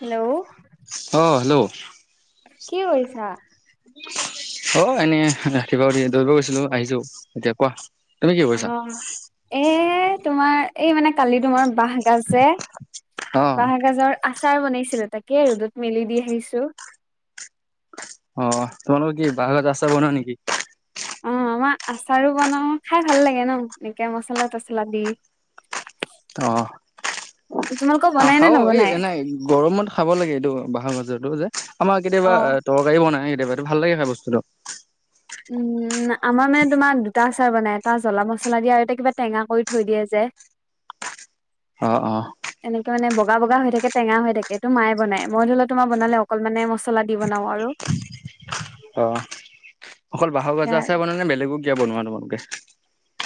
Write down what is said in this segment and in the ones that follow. Hello অ', hello কি কৰিছা অ এনেই ৰাতিপুৱা উঠি দৌৰিব গৈছিলো আহিছো এতিয়া কোৱা তুমি কি কৰিছা অ', এ তোমাৰ এই মানে কালি তোমাৰ বাহ গাজে, অ বাঁহগাজৰ আচাৰ বনাইছিলো তাকে ৰ'দত মেলি দি আহিছো। অ তোমালোকৰ কি বাহৰ আছাৰা বনোৱা নেকি অ আমাৰ আচাৰো বনাওঁ খাই ভাল লাগে ন এনেকে মচলা সচলা দি। অ' তোমালোকৰ আহ বনাই নে খাও এই নবনাই? এনে গৰমত খাব লাগে এইটো বাহৰ গাজৰতো যে আমাৰ অ কেতিয়াবা তৰকাৰী বনাই কেতিয়াবাটো ভাল লাগে খাই বস্তুটো উম', উম'। আমাৰ মানে তোমাৰ দুটা আচাৰ বনাই, এটা জ্বলা মছলা দিয়া আৰু এটা কিবা টেঙা কৰি থৈ দিয়ে যে। [unintelligible] অ অ এনেকে মানে বগা বগা হৈ থাকে টেঙা হৈ থাকে তো মায়ে বনাই মই ধৰি লোৱা তোমাৰ বনালে অকল মানে মছলা দি বনাও আৰু অ অকল বাহৰ গাজৰ আছাৰ বনোৱা নে বেলেগো কিবা বনোৱা তোমালোকে।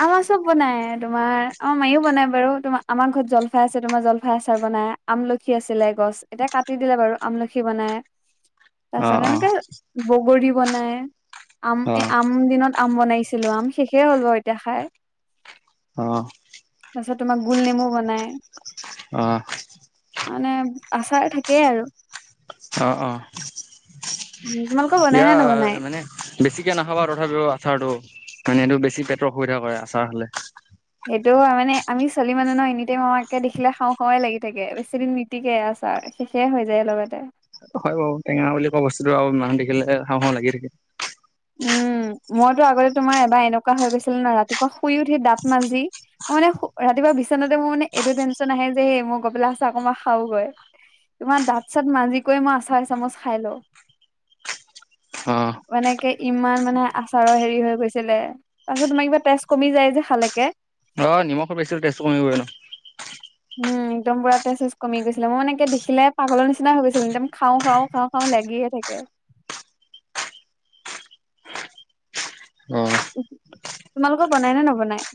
আমাৰ চব বনায় তোমাৰ আমাৰ মাইও বনাই বাৰু তোমাৰ আমাৰ ঘৰত জলফাই আছে তোমাৰ জলফাই আচাৰ বনায়। আমলখি আছিলে গছ, এতিয়া কাটি দিলে বাৰু আমলখি বনাই। তাৰ অ পিছত অ এনেকে বগৰী বনাই আম অ এ আম আমৰ দিনত আম বনাইছিলো আম শেষেই হ'ল বাৰু এতিয়া খাই অ' তাৰপিছত তোমাক গোল নেমু বনাই। অ' মানে আচাৰ থাকেই আৰু অ', অ'। উ তোমালোকৰ বনাই ইয়া নে নবনাই মানে বেছিকে নাখাবা তথাপিও আচাৰটো মানে এইটো বেছি পেটৰ অসুবিধা কৰে আচাৰ হ'লে সেইটো মানে আমি চলি মানুহ ন এনিটাইম আমাকে দেখিলে খাওঁ খাৱাই লাগি থাকে বেছিদিন গতিকে আছাৰ শেষে হৈ যায় লগতে হয় বাৰু টেঙা বুলি কোৱা বস্তুটো আৰু মানুহ দেখিলে খাওঁ খাওঁ লাগি থাকে। উম মইতো আগতে তোমাৰ এবাৰ এনেকুৱা হৈ গৈছিল ন ৰাতিপুৱা শুই উঠি দাঁত মাজি মই মানে ৰাতিপুৱা বিচনাতে মোৰ মানে এইটো টেনশন আহে যে এই মই গৈ পেলায় আছাৰ অলপ খাওগৈ তোমাৰ দাঁত চাত মাজি কৈ মই আচাৰ এচামুচ খাই লওঁ। অ। মানেকে ইমান মানে আচাৰৰ হেৰি হৈ গৈছিলে। পাছত তোমাক কিবা তেজ কমি যায় যে খালেকে। অ নিমখো বেছি হল তেষ্টো কমিবই ন। উম, একদম পুৰা তেজ-চেজ কমি গৈছিলে, মই [unintelligible] দেখিলে পাগলৰ নিচিনা হৈ গৈছিলো। একদম খাও খাও খাওঁ। অ, লাগিয়ে থাকে। অ', তোমালোকৰ বনাই নে নবনাই?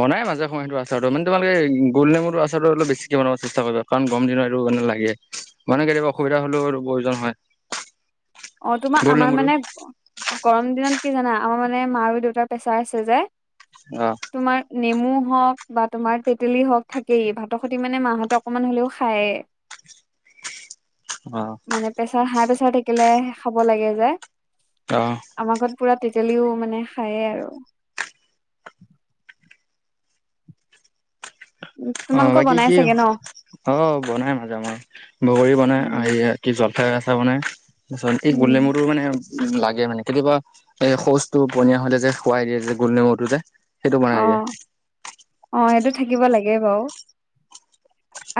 বনাই মাজে সময় তোৰ সেইটো আচাৰটো মানে, তোমালোকে গোল নেমুটো আচাৰটো অলপ বেছিকে বনাব চেষ্টা কৰিবা। কাৰণ গৰম দিনত এইটো এনেও লাগে, মানে কেতিয়াবা অসুবিধা হ'লেও প্ৰয়োজন হয়। অ', তোমাৰ গোল আমাৰ নেমুটোৰ মানে গৰম দিনত কি জানা, আমাৰ মানে মা আৰু দেউতাৰ প্ৰেছাৰ আছে যে। অহ। তোমাৰ নেমু হওক বা তোমাৰ তেতেলী হওক থাকেই। ভাতৰ খতি মানে মা হতক অকমান হ'লেও খায়ে। অ'। মানে প্ৰেচাৰ হাই প্ৰেচাৰ থাকিলে হে খাব লাগে যে। অ। আমাৰ ঘৰত পুৰা তেঁতেলিও মানে খায়ে আৰু। অ তোমালোকৰ বাকী বনাই কি চাগে ন অ বনাই মাজে সময়, বগৰী বনাই অ উম ইয়াত। কি জলফাই আচাৰ বনাই। তাছত এই গোল উম নেমুটো মানে লাগে মানে। কেতিয়াবা এই শৌচটো পনীয়া হলে যে খুৱাই দিয়ে যে গোল নেমুটো যে। সেইটো বনাই দিয়ে অ', অ', সেইটো থাকিব লাগে বাও।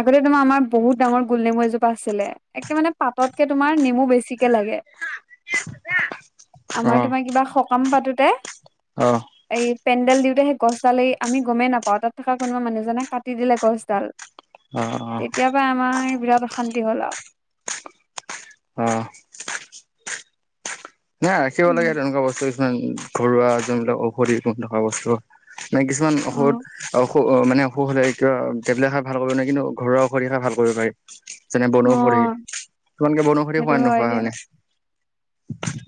আগতে তোমাৰ আমাৰ বহুত ডাঙৰ গোল নেমু এজোপা আছিলে। একে মানে পাততকে তোমাৰ নেমু বেছিকে লাগে। আমাৰ অ', তোমাৰ কিবা সকাম পাতোতে। অ'। এই পেণ্ডেল দিওঁতে সেই গছডাল এই আমি গমেই নাপাওঁ। তাত থকা কোনোবা মানুহজনে কাটি দিলে গছডাল। অ', অ'। তেতিয়াৰ পৰা আমাৰ বিৰাট অশান্তি হ'ল আৱ। অহ। নাই ৰাখিব উম। লাগে তেনেকুৱা বস্তু কিছুমান ঘৰুৱা যোনবিলাক ঔষধি গুণ থকা বস্তু। [unintelligible] কিছুমান অ ঔষধ ঔ অ মানে অসুখ হ'লে কিবা টেবলেত খাই ভাল কৰিব নে কিনো, ঘৰুৱা ঔষধি খাই ভাল কৰিব পাৰি। যেনে অ বনৌষধি তোমানকে বনৌষধি সেইটো খোৱা হয় নোখোৱা দিয়া মানে।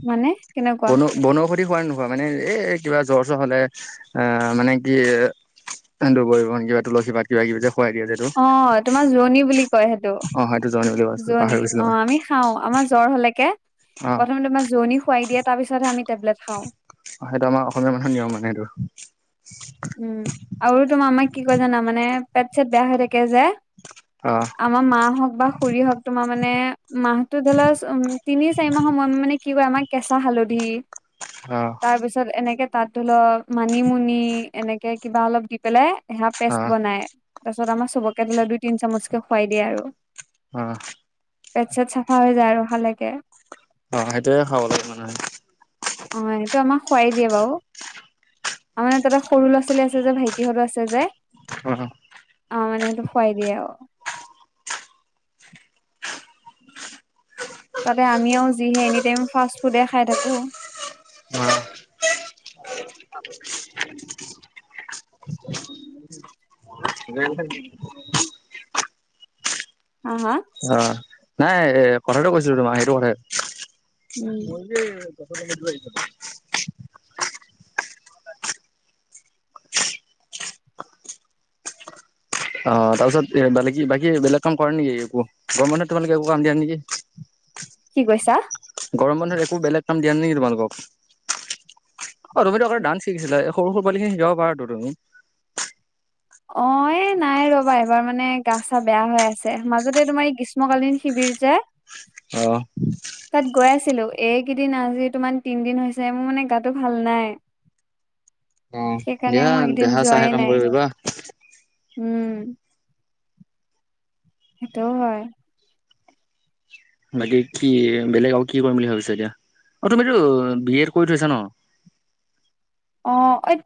মানে কেনেকুৱা? বন বনৌষধি খোৱা নোখোৱা, মানে এ কিবা জ্বৰ চ্বৰ হলে আহ মানে কি দূবৰিবন কিবা তুলসী [unintelligible] কিবা কিবি যে খুৱাই দিয়ে যে। এইটো অ, তোমাৰ জোৰণী বুলি কয় সেইটো। অ সেইটো [unintelligible] জোৰণী। গৈছিলো অ', মই আমি খাও আমাৰ জ্বৰ হলেকে অ প্ৰথমে তোমাৰ জোৰণি খোৱাই দিয়ে। তাৰ পিছতহে আমি টেবলেট খাও। অ সেইটো আমাৰ অসমীয়া মানুহৰ নিয়ম মানে সেইটো। উম' আৰু তোমাৰ আমাক কি কয় জানা, মানে পেট চেট বেয়া হৈ থাকে যে। অ'। আমাৰ মাহ হওক বা খুৰী হওক তোমাৰ মানে, মাহটো ধৰি লোৱা উম' তিনি চাৰি মাহ [unintelligible] মানে কি কয় আমাক কেঁচা হালধি। অ'। তাৰ পিছত এনেকে তাত ধলি ল মানিমুনি এনেকে কিবা অলপ দি পেলাই এহা অ পেষ্ট বনাই তাৰ পিছত আমাৰ চবকে ধৰি ল দুই তিনি চামুচকে খুৱাই দিয়ে আৰু অ' পেট চেট চাফা হৈ যায় আৰু ভালেকে অ সেইটোয়ে খাব লাগে মানুহে অ', এইটো আমাক খোৱাই দিয়ে বাও আমাৰ তাতে সৰু ল'ৰা ছোৱালী আছে যে ভাইটিহঁতো আছে যে [unintelligible] অ মানে সেইটো খোৱাই দিয়ে আউ তাতে আমিও যিহে এনি টাইম ফাষ্ট ফুডে খাই থাকো [unintelligible] [unintelligible] [unintelligible] হা হা অ', নাই কথাটো কৈছিলো তোমাক, সেইটো কথাই। উম [unintelligible] [unintelligible] অ তাপিছত এ বেলেগ কি বাকী বেলেগ কাম কৰা নাই নেকি একো গৰমে বন্ধত তোমালোকে একো কাম দিয়া নাই নিকি? কি কৈছা? গৰম বন্ধত একো বেলেগ কাম দিয়া নাই নেকি তোমালোকক অ তুমিতো আগ ডান্স শিকিছিলা সৰু সৰু পোৱালিখিনিক শিকাব পাৰা ত তুমি। অ এ নাই ৰবা এবাৰ মানে গা চা বেয়া হৈ আছে মাজতে তোমাৰ কিছু গ্ৰীষ্মকালীন শিবিৰ যে অ' তাত গৈ আছিলো এইকেইদিন আজি তোমাৰ তিনদিন হৈছে মোৰ মানে গাটো ভাল নাই। অ দিয়া সেকাৰণে মই এইকেদিন দেহা চাহে যোৱাই কাম নাই। কৰিব পাৰিবা উম। সেইটোও হয়। বাকী কি বেলেগ আৰু কি কৰিম বুলি ভাবিছা এতিয়া? অ, তুমিটো বি এড কৰি থৈছা ন'? অ। এ,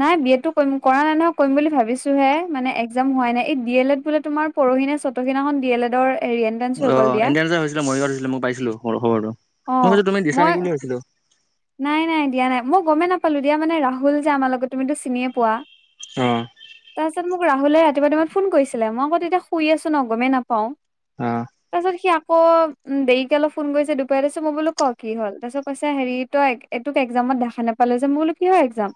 নাই বি এল এডটো কৰিম কৰা নাই নহয় কৰিম বুলি ভাবিছোঁহে মানে এক্সজাম হোৱাই নাই এই ডি এল এড বোলে তোমাৰ পৰহি নে চতসি দিনাখন ডি এলেডৰ এৰিএন অ এণ্ট্ৰেঞ্চ জাম হৈছিলে মৰিগাঁওত হৈছিলে মই পাইছিলো মোৰ খবৰটো মই অ', ভাবিছো তুমি দিছা মই নিকি বুলি ভাবছিলো নাই নাই দিয়া নাই মই গমেই নাপালো দিয়া মানে ৰাহুল যে আমাৰ লগত তুমিতো চিনিয়ে পোৱা। অ। তাৰপিছত মোক ৰাহুলে ৰাতিপুৱা ৰাতিপুৱা ফোন কৰিছিলে মই আকৌ তেতিয়া শুই আছো ন গমেই নাপাও অ তাৰ পিছত সি আকৌ উম দেৰিকে অলপ ফোন কৰিছে দুপৰীতেছে মই বোলো ক কি হল তাৰপিছত কৈছা হেৰি তই এইটোক একজামত দেখা নাপালো যে মই বোলো কিহৰ একজাম?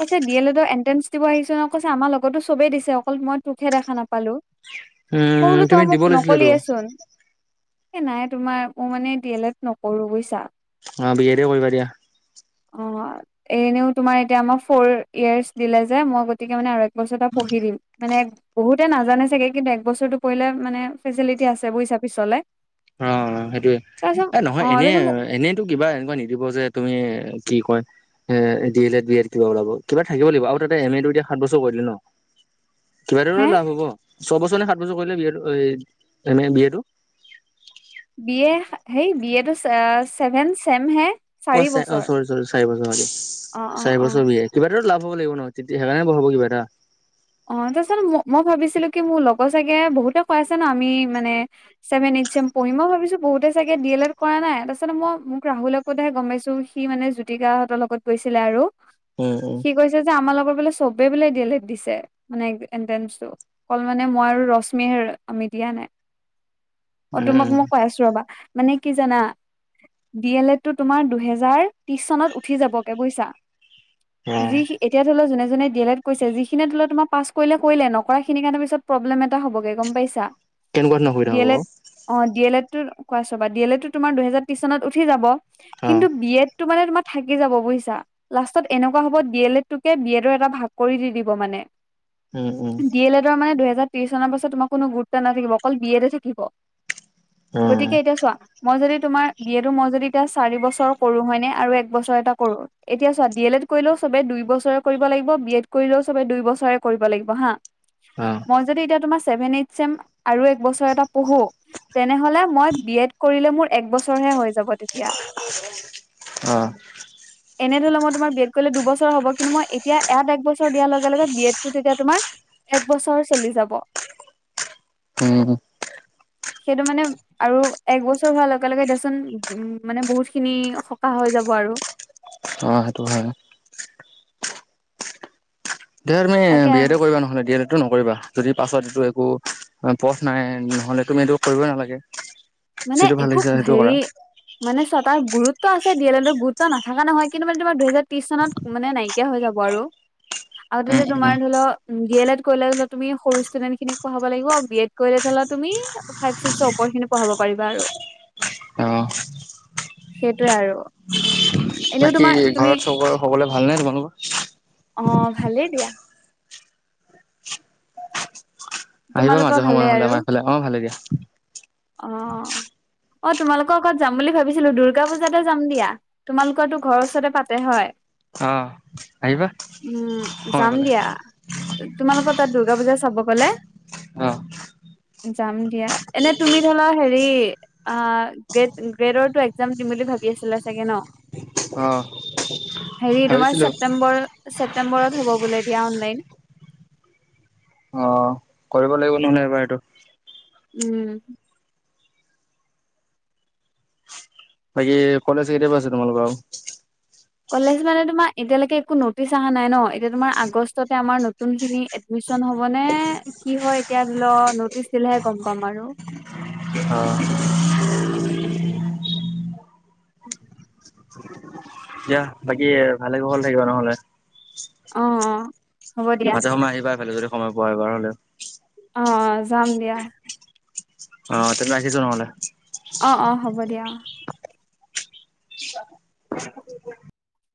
কৈছে ডি এল এডৰ এণ্ট্ৰেন্ঞ্চ দিব আহিছো ন কৈছে আমাৰ লগতো চবেই দিছে অকল মই তোকহে দেখা নাপালো। মই উম বোলো তুমি তই মোক দিব লাগিছিলেতো নকলিয়ে চোন এ নাই তোমাৰ মোৰ মানে ডি এলেড নকৰো বুইছা। অ বি এ দে কৰিবা দিয়া অ এনেও তোমাৰ এতিয়া আমাৰ ফ'ৰ ইয়েৰ্চ দিলে যে মই গতিকে মানে আৰু এবছৰটা পঢ়ি দিম। মানে বহুতে নাজানে চাগে কিন্তু একবছৰটো পৰিলে মানে ফেচিলিটি আছে বুইছা পিছলে। অঁ সেইটোৱে তাৰপিছত এ অ নহয় এনেই তাৰপিছত মোক এনেইত- টো কিবা এনেকুৱা নিদিব যে তুমি কি কয়- এ D El Ed B A কিবা ওলাব কিবা থাকিব লাগিব আও তাতে এম এ টো এতিয়া সাত বছৰ কৰি দিলে ন? কিবা হে এটাটো লাভ হ'ব ছয়বছৰ নে সাত বছৰ কৰিলে B A M A B এটো? বি এ সেই বি এটো ছেভেন চেম হে। অ চাৰি চে অ বছৰ। চৰি চাৰি বছৰ পা অ দিয়ে অ চাৰি অ। বছৰ বিয়ে। কিবা এটাটো লাভ হ' লাগিব ন তেতি সেইকাৰণেহে পঢ়াব কিবা এটা। অ, তাছত মই ভাবিছিলো কি মোৰ লগৰ চাগে বহুতে কৈ আছে ন' আমি মানে- ছেভেন এইটছে পঢ়ি মই ভাবিছো বহুতে চাগে ডি এলত কৰা নাই তাপাছত মই মোক ৰাহুলে- কওতেহে গম পাইছো সি মানে জ্যোতিকাহঁতৰ লগত গৈছিলে আৰু। উম উম সি কৈছে যে আমা লগৰ বোলে চবেই বোলে ডি এ লেদ দিছে। মানে এন্টেনছ অকল মানে মই আৰু ৰশ্মিয়েহে আমি দিয়া নাই। অঁ, উম তোমাক উম মই কৈ আছো ৰ'বা মানে কি জানা? ডি এল এড টো তোমাৰ দুহেজাৰ ত্ৰিশ চনত উঠি যাবগে বুজিছা। অ যি এতিয়া ধৰিল যোনে যোনে ডিয়েলেত কৰিছে যিখিনি ধৰি লও তোমা- পাছ কৰিলে কৰিলে নকৰাখিনিৰ কাৰণে পিছত প্ৰব্লেম এটা হ'বগে গম পাইছা। কেনেকুৱা ধৰণৰ অসুবিধা হব? অঁ, ডি এল এডতো কোৱাছবা ডি এ লেট তোমাৰ দুহেজাৰ ত্ৰিশ চনত উঠি যাব। অ কিন্তু, বিয়েড টো মানে তোমাৰ থাকি যাব বুইছা। লাষ্টত এনেকুৱা হ'ব ডি এল এডটোকে বি এডৰ এটা ভাগ কৰি দি দিব মানে। উম উম ডি এল এডৰ মানে দুহেজাৰ ত্ৰিশ চনৰ পাছত তোমাক কোনো গুৰুত্ব নাথাকিব অকল বি এডে থাকিব। অ গতিকে, এতিয়া চোৱা। মই যদি তোমাৰ বিয়েটো মই যদি এতিয়া চাৰি বছৰ কৰো হয় নে আৰু এক বছৰ এটা কৰোঁ। এতিয়া চোৱা ডি এল এড কৰিলেও চবে দুই বছৰে কৰিব লাগিব বি এড কৰিলেও চবে দুই বছৰে। কৰিব লাগিব হাঁ অ মই যদি এতিয়া তোমাৰ চেভেন এইট চেম আৰু এক বছৰ এটা পঢ়ো- তেনেহলে মই বি এড কৰিলে মোৰ এক বছৰ হে হৈ যাব তেতিয়া। অঁহ। এনে ধৰি ল মই তোমাৰ বি এড কৰিলে দুবছৰ হব কিন্তু মই এতিয়া এয়াত এক বছৰ দিয়াৰ লগে লগে বি এড- টো তেতিয়া তোমাৰ এক বছৰ চলি যাব। উম' সেইটো মানে- আৰু এক বছৰ হোৱাৰ লগে লগে দেচোন উম মানে বহুত খিনি সকাহ হৈ যাব আৰু। অ‍ঁ সেইটো হয়। এ তাকে বি এডে কৰিবা নহ'লে ডি এ লেডটো নকৰিবা। যদি পাছত এইটো একো পথ নাই নহলে তুমি এইটো কৰিবই নালাগে। মানে যিটো ভাল একো লাগিছে সেইটো কৰা হেৰি- মানে চোৱা তাৰ গুৰুত্ব আছে ডি এ লেডৰ গুৰুত্ব নাথাকা নহয় কিন্তু মানে তোমাৰ দুহেজাৰ ত্ৰিশ চনত- মানে নাইকিয়া হৈ যাব আৰু। আৰু উম তেতিয়া উম তোমাৰ ধৰি ল ডি এ লেড কৰিলে তুমি সৰু ষ্টুডেন্ট খিনিক পঢ়াব লাগিব আৰু বি এড- কৰিলে তুমি ফাইভ ছিক্সৰ ওপৰ খিনি পঢ়াব- পাৰিবা আৰু অ সেইটোৱে আৰু। এনেও বাকী তোমাৰ তুমি ঘৰত চব সকলোৱে ভাল নে তোমালোকৰ? অঁ ভালেই দিয়া। আহিবা তোমালোকৰ মাজে সময়ে ভালেই নহ'লে আৰু আমাৰ এইফালে। অঁ ভালে দিয়া। অ, অ, তোমালোকৰ ঘৰত যাম বুলি ভাবিছিলো দুূৰ্গা পূজাতে যাম দিয়া। তোমালোকৰ তো ঘৰৰ ওচৰতে পাতে হয়? অ আহিবা উম, সময় যাম পালে দিয়া। তোমালোকৰ তাত দূৰ্গা পূজা চাব গলে অ যাম দিয়া, এনে- তুমি ধৰা হেৰি - অ গ্ৰেড গ্ৰেডৰটো একজাম দিম বুলি ভাবি আছিলা চাগে ন? অ হেৰি তোমাৰ ভাবিছিলো ছেপ্তেম্বৰ ছেপ্তেম্বৰত হ'ব বোলে এতিয়া অনলাইন। অ, কৰিব লাগিব ন'হলে এইবাৰ এইটো। উম। বাকী কলেজ কেতিয়া পা আছে তোমালোক আৰু? কলেজ মানে তোমাৰ এতিয়ালৈকে একো নটিচ অহা নাই ন' এতিয়া তোমাৰ আগষ্টতে আমাৰ নতুন খিনি - এডমিশ্যন হ'ব নে, কি হয় এতিয়া ধৰি লও নটিচ দিলেহে গম পাম আৰু। অ। [unintelligible] দিয়া বাকী ভালে কুশলে থাকিবা নহলে। অ অ। হ'ব দিয়া মাজে সময়ে আহিবা এইফালে যদি সময় পোৱা এবাৰ হলেও। অ অ, যাম দিয়া। অ তেন্তে ৰাখিছোঁ নহলে। অ, অ, হ'ব দিয়া অ।